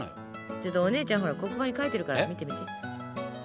ちょっとお姉ちゃん黒板に書いてるから見てみて。